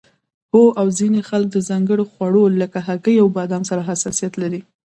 هو او ځینې خلک د ځانګړو خوړو لکه هګۍ یا بادام سره حساسیت لري